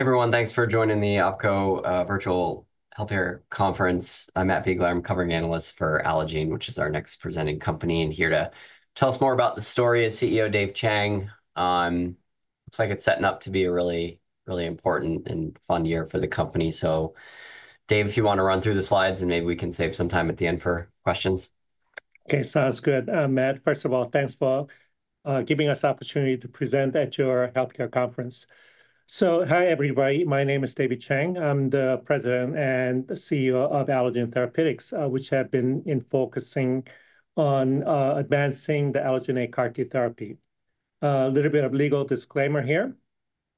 Everyone, thanks for joining the OpCo Virtual Healthcare Conference. I'm Matt Biegler. I'm the covering analyst for Allogene, which is our next presenting company, and here to tell us more about the story is CEO Dave Chang. It looks like it's setting up to be a really, really important and fun year for the company. Dave, if you want to run through the slides, and maybe we can save some time at the end for questions. Okay, sounds good. Matt, first of all, thanks for giving us the opportunity to present at your healthcare conference. Hi everybody. My name is David Chang. I'm the President and CEO of Allogene Therapeutics, which has been focusing on advancing the allogeneic CAR-T therapy. A little bit of legal disclaimer here.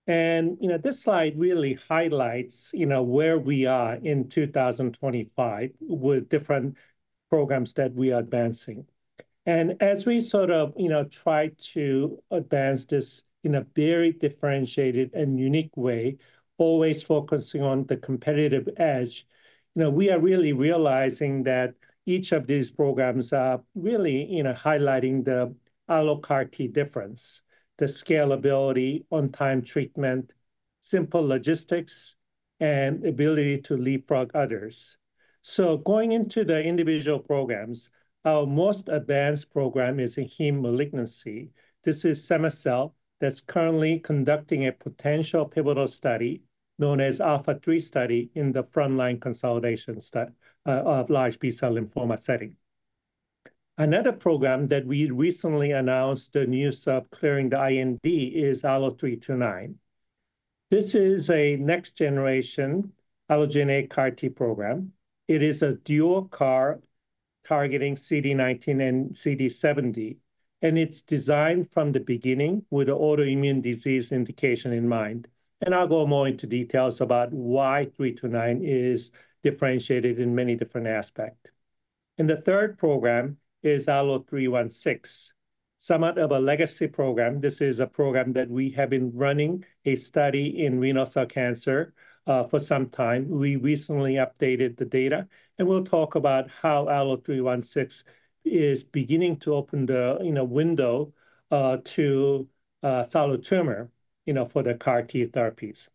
You know, this slide really highlights, you know, where we are in 2025 with different programs that we are advancing. As we sort of, you know, try to advance this in a very differentiated and unique way, always focusing on the competitive edge, you know, we are really realizing that each of these programs are really, you know, highlighting the AlloCAR T difference, the scalability, on-time treatment, simple logistics, and ability to leapfrog others. Going into the individual programs, our most advanced program is in heme malignancy. This is cema-cel that's currently conducting a potential pivotal study known as ALPHA3 study in the frontline consolidation study of large B-cell lymphoma setting. Another program that we recently announced the news of clearing the IND is ALLO-329. This is a next-generation allogeneic CAR-T program. It is a dual CAR targeting CD19 and CD70, and it's designed from the beginning with an autoimmune disease indication in mind. I'll go more into details about why 329 is differentiated in many different aspects. The third program is ALLO-316, somewhat of a legacy program. This is a program that we have been running a study in renal cell cancer for some time. We recently updated the data, and we'll talk about how ALLO-316 is beginning to open the, you know, window to solid tumor, you know, for the CAR-T therapies.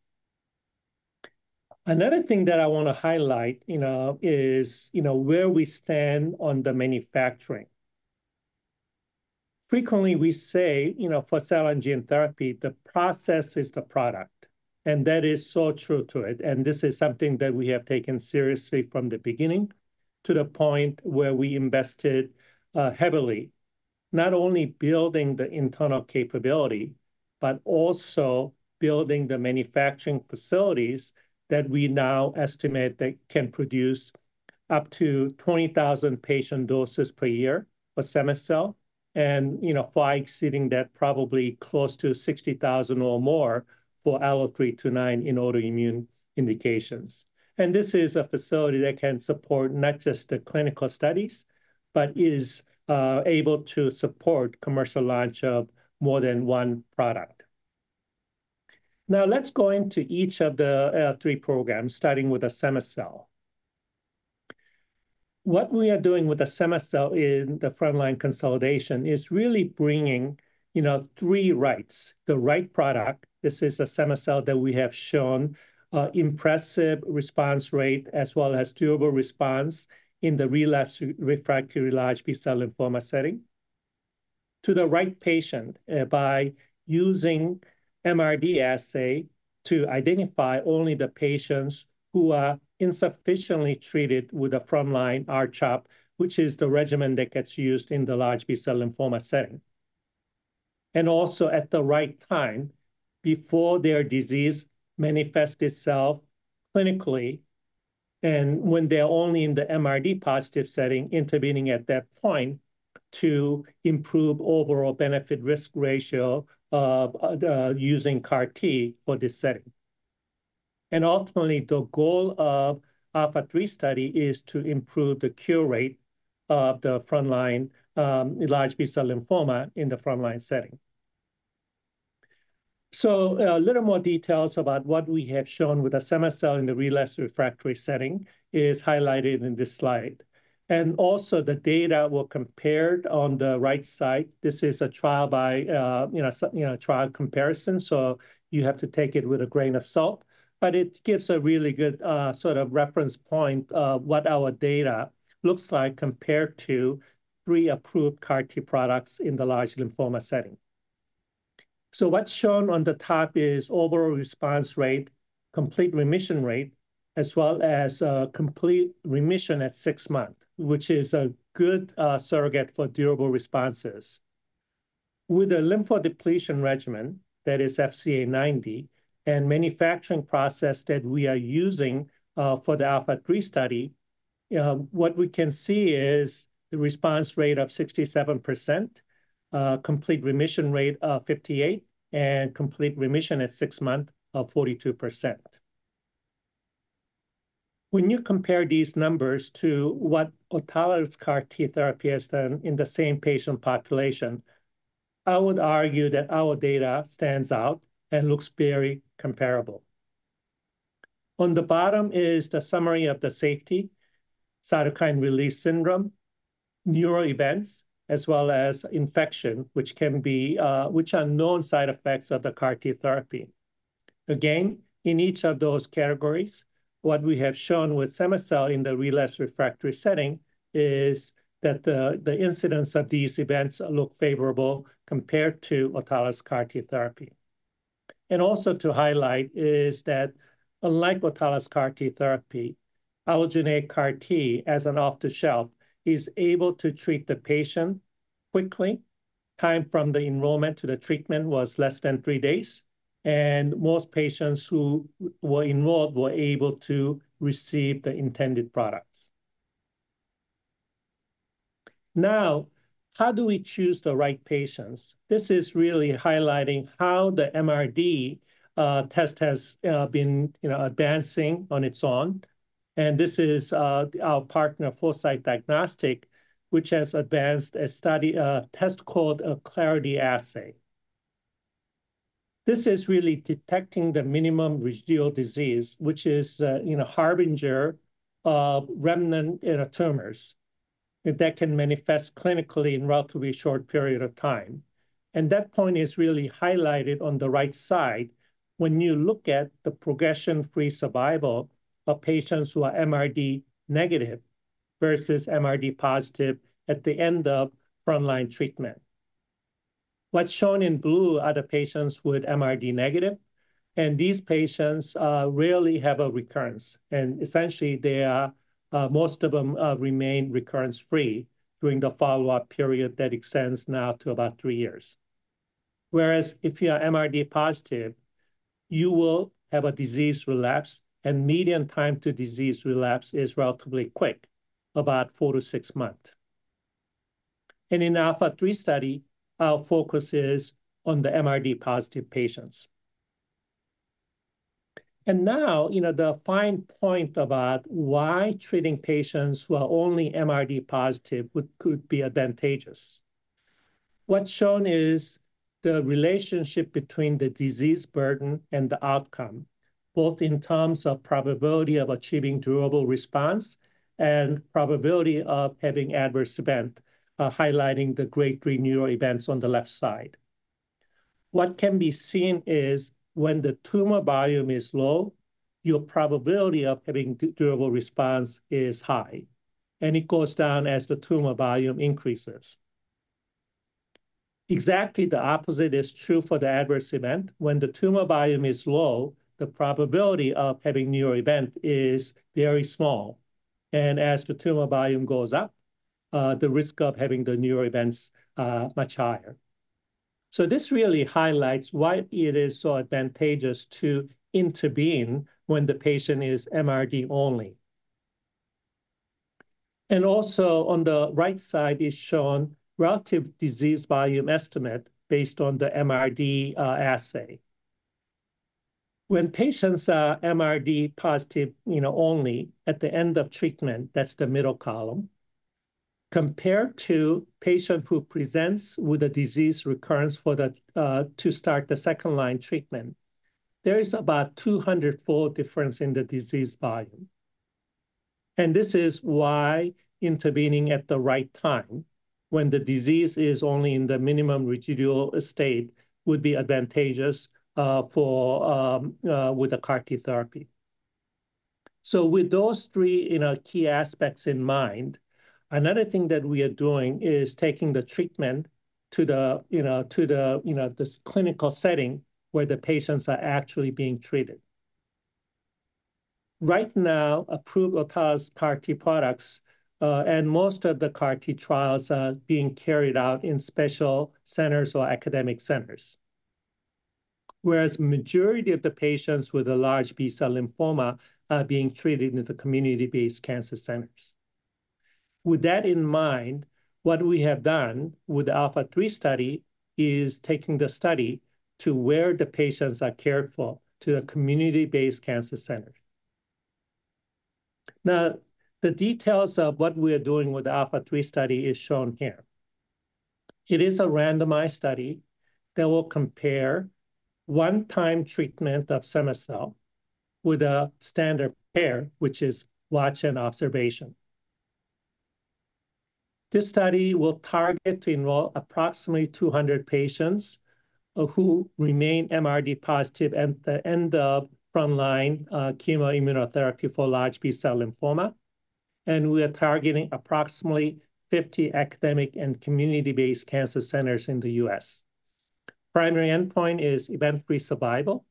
Another thing that I want to highlight, you know, is, you know, where we stand on the manufacturing. Frequently, we say, you know, for cell and gene therapy, the process is the product, and that is so true to it. And this is something that we have taken seriously from the beginning to the point where we invested heavily, not only building the internal capability, but also building the manufacturing facilities that we now estimate that can produce up to 20,000 patient doses per year for cema-cel and, you know, far exceeding that, probably close to 60,000 or more for ALLO-329 in autoimmune indications. And this is a facility that can support not just the clinical studies, but is able to support commercial launch of more than one product. Now, let's go into each of the three programs, starting with the cema-cel. What we are doing with the cema-cel in the frontline consolidation is really bringing, you know, three rights: the right product. This is a cema-cel that we have shown impressive response rate, as well as durable response in the relapse refractory large B-cell lymphoma setting to the right patient by using MRD assay to identify only the patients who are insufficiently treated with a frontline R-CHOP, which is the regimen that gets used in the large B-cell lymphoma setting. Also at the right time, before their disease manifests itself clinically, and when they're only in the MRD positive setting, intervening at that point to improve overall benefit-risk ratio of using CAR-T for this setting. Ultimately, the goal of ALPHA3 study is to improve the cure rate of the frontline large B-cell lymphoma in the frontline setting. A little more details about what we have shown with the cema-cel in the relapse refractory setting is highlighted in this slide. Also, the data were compared on the right side. This is a trial by, you know, a trial comparison, so you have to take it with a grain of salt, but it gives a really good sort of reference point of what our data looks like compared to pre-approved CAR-T products in the large lymphoma setting. What's shown on the top is overall response rate, complete remission rate, as well as complete remission at six months, which is a good surrogate for durable responses. With a lymphodepletion regimen that is FCA90 and manufacturing process that we are using for the ALPHA3 study, what we can see is the response rate of 67%, complete remission rate of 58%, and complete remission at six months of 42%. When you compare these numbers to what autologous CAR-T therapy has done in the same patient population, I would argue that our data stands out and looks very comparable. On the bottom is the summary of the safety, cytokine release syndrome, neuro events, as well as infection, which can be, which are known side effects of the CAR-T therapy. Again, in each of those categories, what we have shown with cema-cel in the relapse refractory setting is that the incidence of these events looks favorable compared to autologous CAR-T therapy. Also to highlight is that, unlike autologous CAR-T therapy, allogeneic CAR-T, as an off-the-shelf, is able to treat the patient quickly. Time from the enrollment to the treatment was less than three days, and most patients who were enrolled were able to receive the intended products. Now, how do we choose the right patients? This is really highlighting how the MRD test has been, you know, advancing on its own. This is our partner, Foresight Diagnostics, which has advanced a study, a test called a CLARITY assay. This is really detecting the minimal residual disease, which is, you know, harbinger of remnant inner tumors that can manifest clinically in a relatively short period of time. That point is really highlighted on the right side when you look at the progression-free survival of patients who are MRD negative versus MRD positive at the end of frontline treatment. What's shown in blue are the patients with MRD negative, and these patients rarely have a recurrence. Essentially, most of them remain recurrence-free during the follow-up period that extends now to about three years. Whereas if you are MRD positive, you will have a disease relapse, and median time to disease relapse is relatively quick, about four to six months. In ALPHA3 study, our focus is on the MRD positive patients. Now, you know, the fine point about why treating patients who are only MRD positive could be advantageous. What's shown is the relationship between the disease burden and the outcome, both in terms of probability of achieving durable response and probability of having adverse event, highlighting the grade three neuro events on the left side. What can be seen is when the tumor volume is low, your probability of having durable response is high, and it goes down as the tumor volume increases. Exactly the opposite is true for the adverse event. When the tumor volume is low, the probability of having neuro event is very small. As the tumor volume goes up, the risk of having the neuro events is much higher. This really highlights why it is so advantageous to intervene when the patient is MRD only. Also, on the right side is shown relative disease volume estimate based on the MRD assay. When patients are MRD positive, you know, only at the end of treatment, that's the middle column, compared to a patient who presents with a disease recurrence to start the second line treatment, there is about 200-fold difference in the disease volume. This is why intervening at the right time, when the disease is only in the minimal residual state, would be advantageous for, you know, with the CAR-T therapy. With those three, you know, key aspects in mind, another thing that we are doing is taking the treatment to the, you know, to the, you know, this clinical setting where the patients are actually being treated. Right now, approved autologous CAR-T products and most of the CAR-T trials are being carried out in special centers or academic centers, whereas the majority of the patients with large B-cell lymphoma are being treated in the community-based cancer centers. With that in mind, what we have done with the ALPHA3 study is taking the study to where the patients are cared for, to the community-based cancer centers. Now, the details of what we are doing with the ALPHA3 study are shown here. It is a randomized study that will compare one-time treatment of cema-cel with a standard pair, which is watch and observation. This study will target to enroll approximately 200 patients who remain MRD positive at the end of frontline chemoimmunotherapy for large B-cell lymphoma, and we are targeting approximately 50 academic and community-based cancer centers in the U.S. Primary endpoint is event-free survival,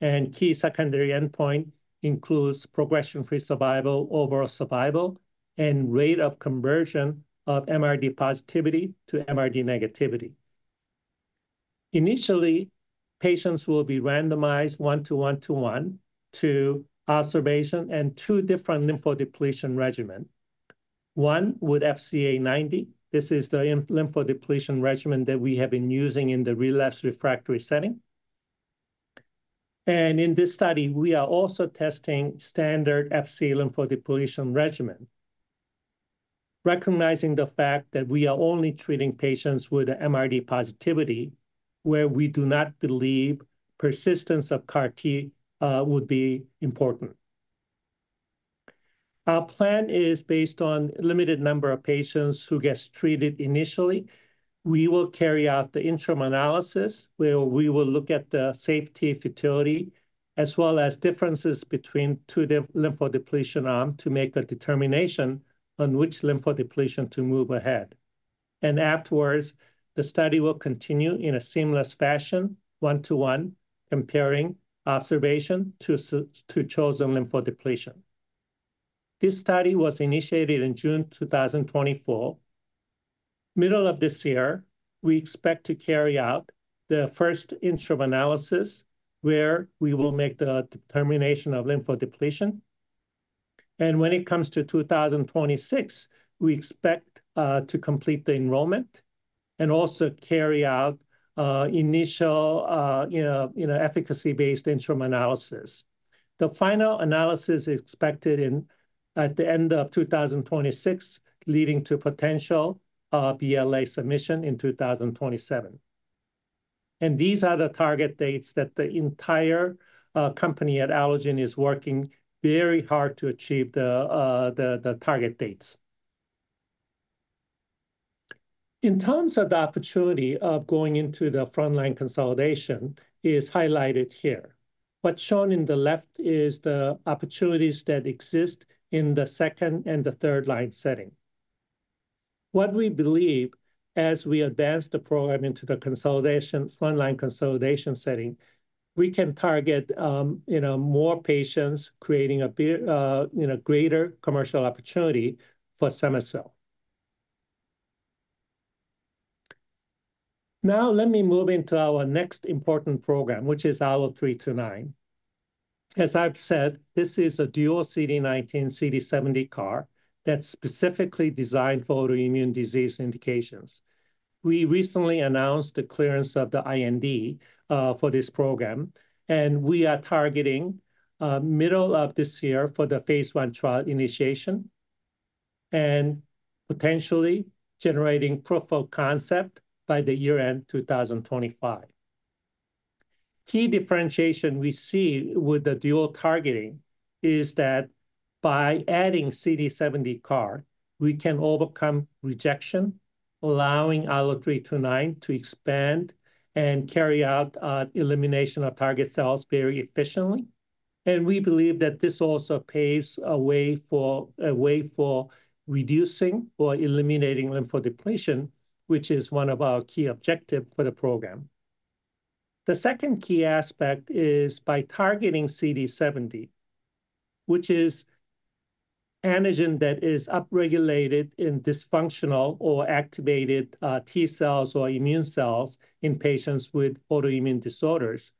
and key secondary endpoint includes progression-free survival, overall survival, and rate of conversion of MRD positivity to MRD negativity. Initially, patients will be randomized one-to-one-to-one to observation and two different lymphodepletion regimens. One with FCA90. This is the lymphodepletion regimen that we have been using in the relapse refractory setting. In this study, we are also testing standard FCA lymphodepletion regimen, recognizing the fact that we are only treating patients with MRD positivity where we do not believe persistence of CAR-T would be important. Our plan is based on a limited number of patients who get treated initially. We will carry out the interim analysis where we will look at the safety, fatality, as well as differences between two lymphodepletion arms to make a determination on which lymphodepletion to move ahead. Afterwards, the study will continue in a seamless fashion, one-to-one, comparing observation to chosen lymphodepletion. This study was initiated in June 2024. Middle of this year, we expect to carry out the first interim analysis where we will make the determination of lymphodepletion. When it comes to 2026, we expect to complete the enrollment and also carry out initial, you know, efficacy-based interim analysis. The final analysis is expected at the end of 2026, leading to potential BLA submission in 2027. These are the target dates that the entire company at Allogene is working very hard to achieve the target dates. In terms of the opportunity of going into the frontline consolidation is highlighted here. What's shown in the left is the opportunities that exist in the second and the third line setting. What we believe, as we advance the program into the frontline consolidation setting, we can target, you know, more patients creating a, you know, greater commercial opportunity for cema-cel. Now, let me move into our next important program, which is ALLO-329. As I've said, this is a dual CD19, CD70 CAR that's specifically designed for autoimmune disease indications. We recently announced the clearance of the IND for this program, and we are targeting middle of this year for the phase I trial initiation and potentially generating proof of concept by the year end 2025. Key differentiation we see with the dual targeting is that by adding CD70 CAR, we can overcome rejection, allowing ALLO-329 to expand and carry out elimination of target cells very efficiently. We believe that this also paves a way for reducing or eliminating lymphodepletion, which is one of our key objectives for the program. The second key aspect is by targeting CD70, which is antigen that is upregulated in dysfunctional or activated T cells or immune cells in patients with autoimmune disorders.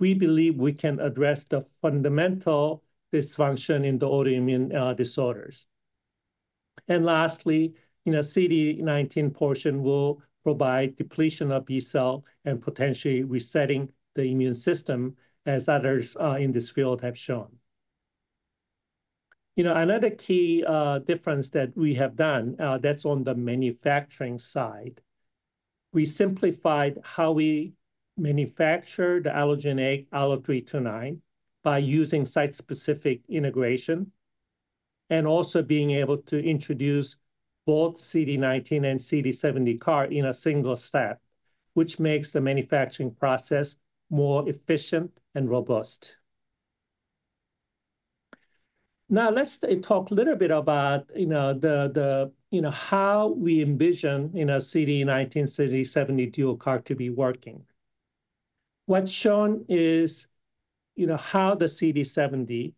We believe we can address the fundamental dysfunction in the autoimmune disorders. Lastly, you know, CD19 portion will provide depletion of B-cell and potentially resetting the immune system, as others in this field have shown. You know, another key difference that we have done that's on the manufacturing side, we simplified how we manufacture the allogeneic ALLO-329 by using site-specific integration and also being able to introduce both CD19 and CD70 CAR in a single step, which makes the manufacturing process more efficient and robust. Now, let's talk a little bit about, you know, how we envision, you know, CD19, CD70 dual CAR to be working. What's shown is, you know, how the CD70,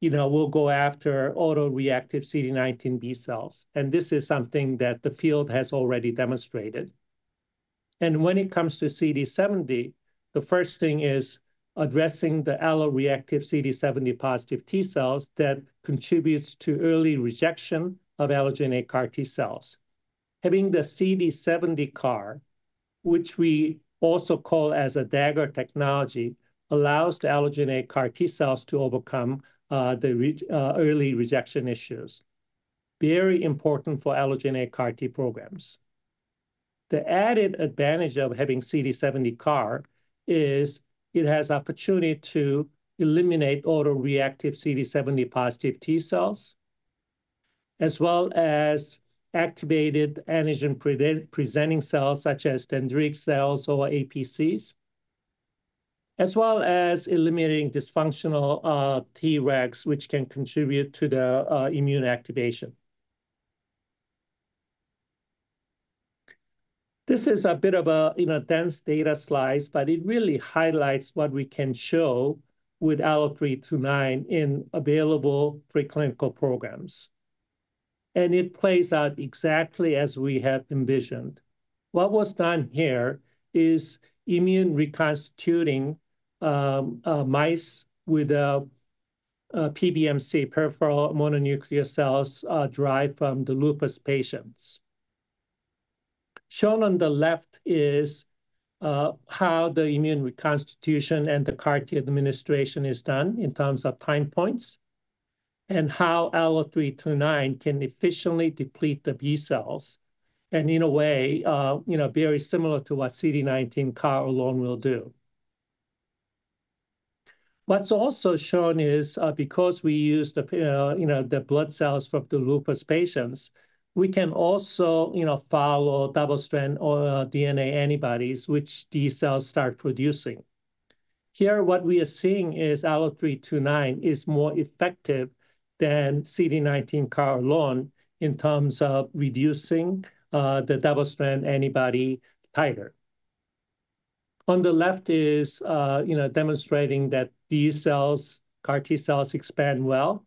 you know, will go after autoreactive CD19 B-cells, and this is something that the field has already demonstrated. When it comes to CD70, the first thing is addressing the autoreactive CD70 positive T cells that contribute to early rejection of allogeneic CAR-T cells. Having the CD70 CAR, which we also call as a Dagger technology, allows the allogeneic CAR-T cells to overcome the early rejection issues. Very important for allogeneic CAR-T programs. The added advantage of having CD70 CAR is it has the opportunity to eliminate autoreactive CD70 positive T cells, as well as activated antigen-presenting cells such as dendritic cells or APCs, as well as eliminating dysfunctional Tregs, which can contribute to the immune activation. This is a bit of a, you know, dense data slice, but it really highlights what we can show with ALLO-329 in available preclinical programs, and it plays out exactly as we have envisioned. What was done here is immune reconstituting mice with a PBMC, peripheral mononuclear cells derived from the lupus patients. Shown on the left is how the immune reconstitution and the CAR-T administration is done in terms of time points and how ALLO-329 can efficiently deplete the B-cells, and in a way, you know, very similar to what CD19 CAR alone will do. What's also shown is because we use the, you know, the blood cells from the lupus patients, we can also, you know, follow double-stranded DNA antibodies, which these cells start producing. Here, what we are seeing is ALLO-329 is more effective than CD19 CAR alone in terms of reducing the double-stranded antibody titer. On the left is, you know, demonstrating that these cells, CAR-T cells, expand well,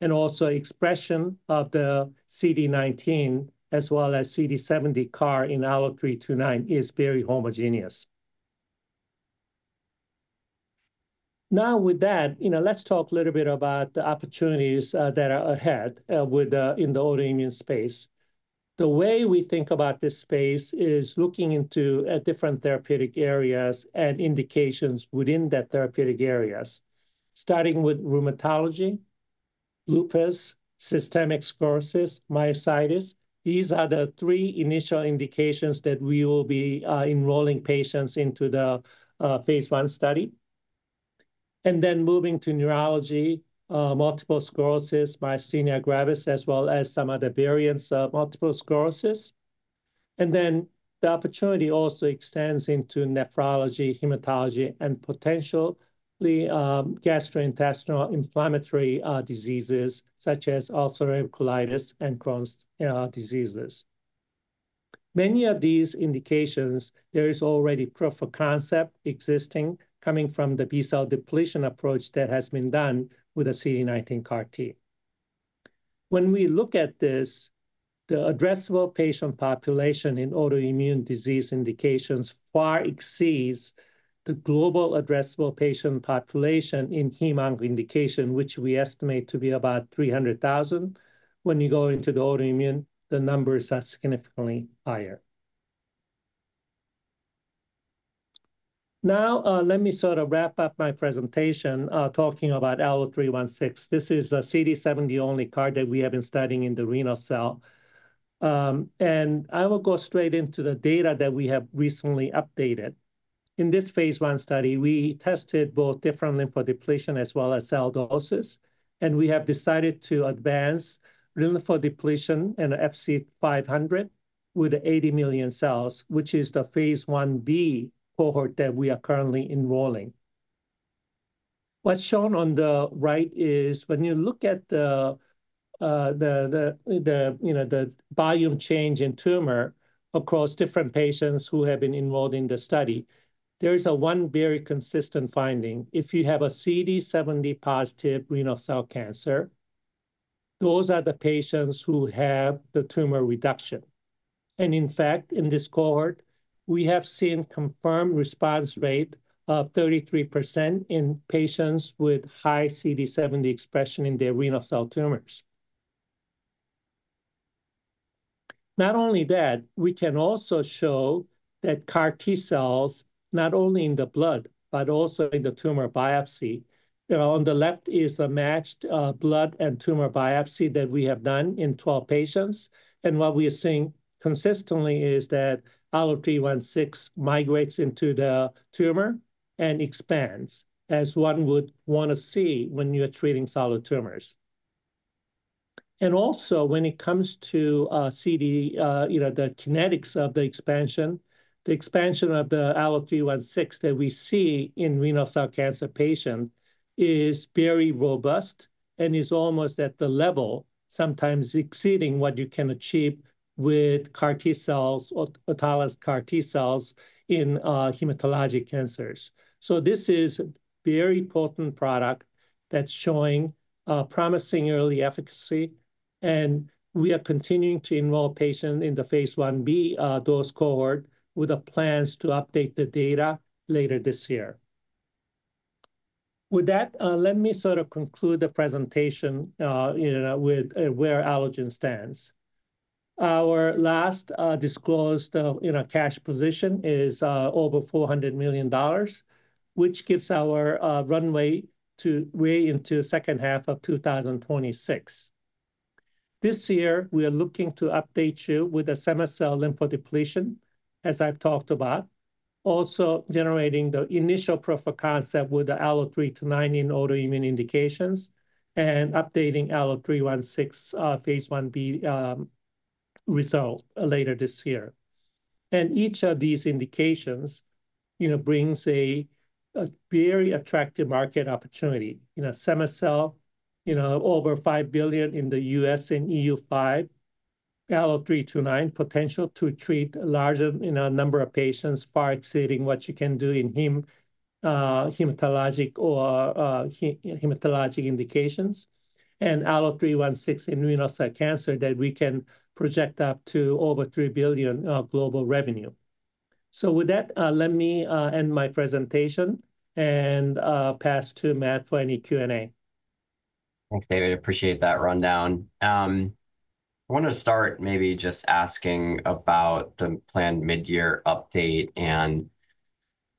and also expression of the CD19 as well as CD70 CAR in ALLO-329 is very homogeneous. Now, with that, you know, let's talk a little bit about the opportunities that are ahead with the, in the autoimmune space. The way we think about this space is looking into different therapeutic areas and indications within that therapeutic areas, starting with rheumatology, lupus, systemic sclerosis, myositis. These are the three initial indications that we will be enrolling patients into the phase I study, and then moving to neurology, multiple sclerosis, myasthenia gravis, as well as some other variants of multiple sclerosis. The opportunity also extends into nephrology, hematology, and potentially gastrointestinal inflammatory diseases such as ulcerative colitis and Crohn's disease. Many of these indications, there is already proof of concept existing coming from the B-cell depletion approach that has been done with the CD19 CAR-T. When we look at this, the addressable patient population in autoimmune disease indications far exceeds the global addressable patient population in heme-only indication, which we estimate to be about 300,000. When you go into the autoimmune, the numbers are significantly higher. Now, let me sort of wrap up my presentation talking about ALLO-316. This is a CD70-only CAR that we have been studying in the renal cell, and I will go straight into the data that we have recently updated. In this phase I study, we tested both different lymphodepletion as well as cell doses, and we have decided to advance lymphodepletion and FCA500 with 80 million cells, which is the phase I-B cohort that we are currently enrolling. What's shown on the right is when you look at the, you know, the volume change in tumor across different patients who have been enrolled in the study, there is one very consistent finding. If you have a CD70 positive renal cell cancer, those are the patients who have the tumor reduction. In fact, in this cohort, we have seen a confirmed response rate of 33% in patients with high CD70 expression in their renal cell tumors. Not only that, we can also show that CAR-T cells, not only in the blood, but also in the tumor biopsy. On the left is a matched blood and tumor biopsy that we have done in 12 patients, and what we are seeing consistently is that ALLO-316 migrates into the tumor and expands as one would want to see when you are treating solid tumors. Also, when it comes to CD, you know, the kinetics of the expansion, the expansion of the ALLO-316 that we see in renal cell cancer patients is very robust and is almost at the level, sometimes exceeding what you can achieve with CAR-T cells or autologous CAR-T cells in hematologic cancers. This is a very potent product that's showing promising early efficacy, and we are continuing to enroll patients in the phase I-B dose cohort with plans to update the data later this year. With that, let me sort of conclude the presentation, you know, with where Allogene stands. Our last disclosed, you know, cash position is over $400 million, which gives our runway to way into the second half of 2026. This year, we are looking to update you with a cema-cel lymphodepletion, as I've talked about, also generating the initial proof of concept with the ALLO-329 in autoimmune indications and updating ALLO-316 phase I-B result later this year. Each of these indications, you know, brings a very attractive market opportunity. You know, cema-cel, you know, over $5 billion in the U.S. and EU5, ALLO-329 potential to treat a larger, you know, number of patients far exceeding what you can do in hematologic or hematologic indications, and ALLO-316 in renal cell cancer that we can project up to over $3 billion global revenue. With that, let me end my presentation and pass to Matt for any Q&A. Thanks, David. Appreciate that rundown. I want to start maybe just asking about the planned mid-year update, and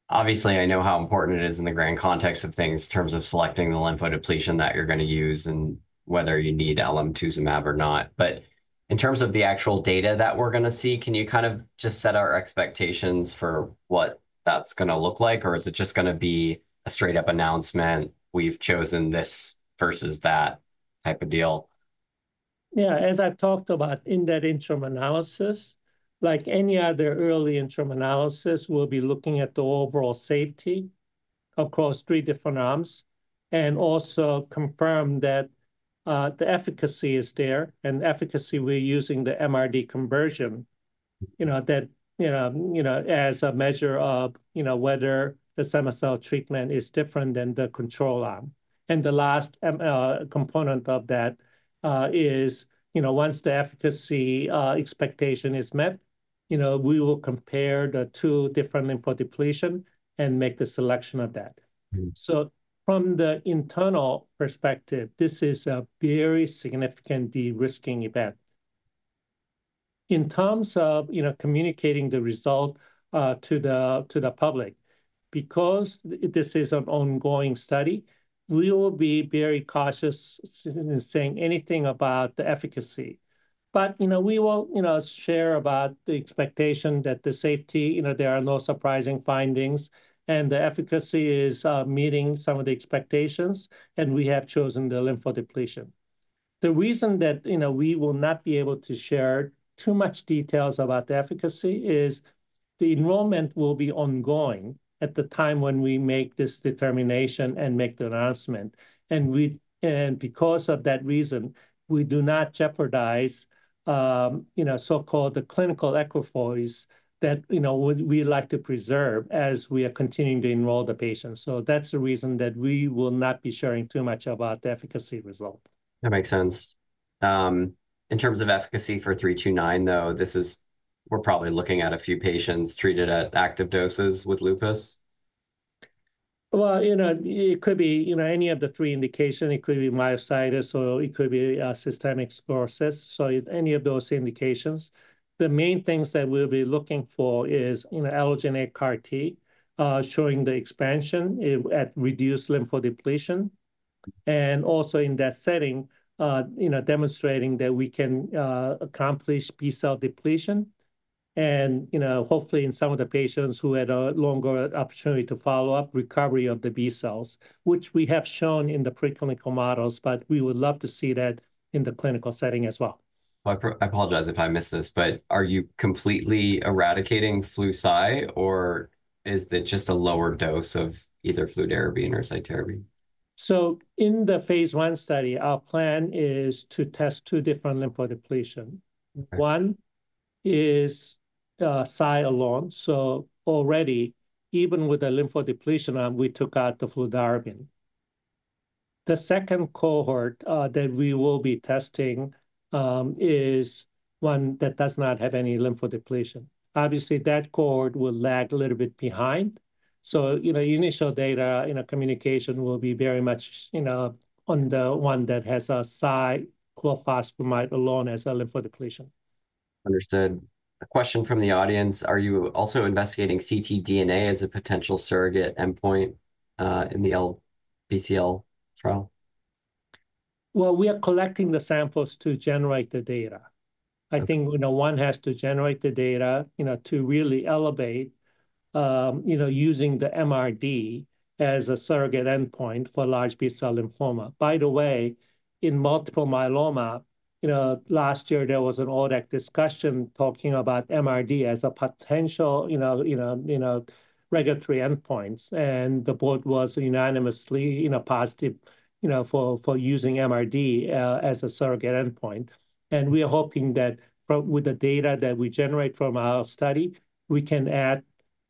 obviously, I know how important it is in the grand context of things in terms of selecting the lymphodepletion that you're going to use and whether you need alemtuzumab or not. In terms of the actual data that we're going to see, can you kind of just set our expectations for what that's going to look like, or is it just going to be a straight-up announcement, we've chosen this versus that type of deal? Yeah, as I've talked about in that interim analysis, like any other early interim analysis, we'll be looking at the overall safety across three different arms and also confirm that the efficacy is there. And efficacy, we're using the MRD conversion, you know, that, you know, you know, as a measure of, you know, whether the cema-cel treatment is different than the control arm. The last component of that is, you know, once the efficacy expectation is met, you know, we will compare the two different lymphodepletion and make the selection of that. From the internal perspective, this is a very significant de-risking event. In terms of, you know, communicating the result to the to the public, because this is an ongoing study, we will be very cautious in saying anything about the efficacy. You know, we will, you know, share about the expectation that the safety, you know, there are no surprising findings, and the efficacy is meeting some of the expectations, and we have chosen the lymphodepletion. The reason that, you know, we will not be able to share too much details about the efficacy is the enrollment will be ongoing at the time when we make this determination and make the announcement. We, and because of that reason, we do not jeopardize, you know, so-called the clinical equipoise that, you know, we like to preserve as we are continuing to enroll the patients. That's the reason that we will not be sharing too much about the efficacy result. That makes sense. In terms of efficacy for ALLO-329, though, this is, we're probably looking at a few patients treated at active doses with lupus. It could be, you know, any of the three indications. It could be myositis, or it could be systemic sclerosis. So any of those indications, the main things that we'll be looking for is, you know, allogeneic CAR-T showing the expansion at reduced lymphodepletion, and also in that setting, you know, demonstrating that we can accomplish B-cell depletion. And, you know, hopefully in some of the patients who had a longer opportunity to follow up recovery of the B-cells, which we have shown in the preclinical models, but we would love to see that in the clinical setting as well. I apologize if I missed this, but are you completely eradicating Flu/Cy, or is it just a lower dose of either fludarabine or cytarabine? In the phase I study, our plan is to test two different lymphodepletion. One is Cy alone. Already, even with the lymphodepletion arm, we took out the fludarabine. The second cohort that we will be testing is one that does not have any lymphodepletion. Obviously, that cohort will lag a little bit behind. You know, initial data in a communication will be very much, you know, on the one that has a Cy cyclophosphamide alone as a lymphodepletion. Understood. A question from the audience. Are you also investigating ctDNA as a potential surrogate endpoint in the LBCL trial? We are collecting the samples to generate the data. I think, you know, one has to generate the data, you know, to really elevate, you know, using the MRD as a surrogate endpoint for large B-cell lymphoma. By the way, in multiple myeloma, you know, last year, there was all that discussion talking about MRD as a potential, you know, you know, regulatory endpoints, and the board was unanimously, you know, positive, you know, for for using MRD as a surrogate endpoint. We are hoping that with the data that we generate from our study, we can add,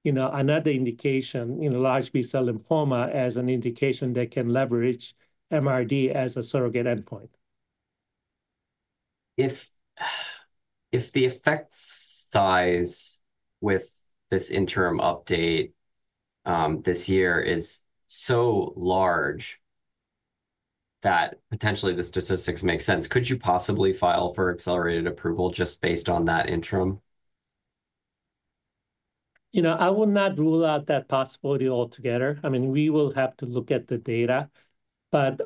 you know, another indication in large B-cell lymphoma as an indication that can leverage MRD as a surrogate endpoint. If the effect size with this interim update this year is so large that potentially the statistics make sense, could you possibly file for accelerated approval just based on that interim? You know, I will not rule out that possibility altogether. I mean, we will have to look at the data, but,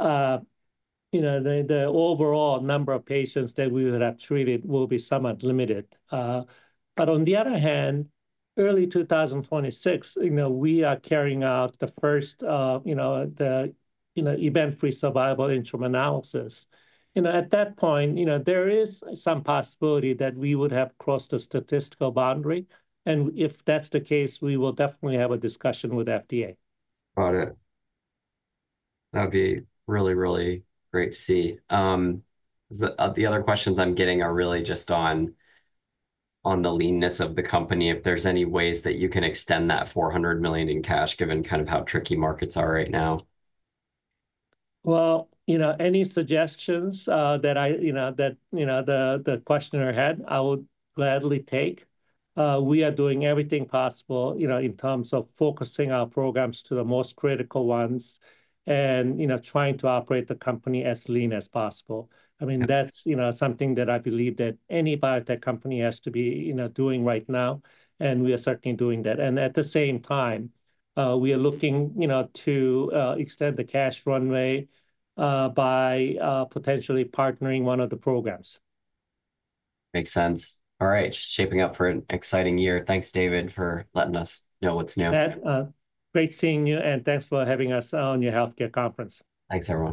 you know, the overall number of patients that we would have treated will be somewhat limited. On the other hand, early 2026, you know, we are carrying out the first, you know, event-free survival interim analysis. You know, at that point, you know, there is some possibility that we would have crossed the statistical boundary, and if that's the case, we will definitely have a discussion with FDA. Got it. That'd be really, really great to see. The other questions I'm getting are really just on the leanness of the company. If there's any ways that you can extend that $400 million in cash, given kind of how tricky markets are right now. You know, any suggestions that I, you know, that, you know, the questioner had, I would gladly take. We are doing everything possible, you know, in terms of focusing our programs to the most critical ones and, you know, trying to operate the company as lean as possible. I mean, that's, you know, something that I believe that any biotech company has to be, you know, doing right now, and we are certainly doing that. At the same time, we are looking, you know, to extend the cash runway by potentially partnering one of the programs. Makes sense. All right. Shaping up for an exciting year. Thanks, David, for letting us know what's new. Great seeing you, and thanks for having us on your healthcare conference. Thanks, everyone.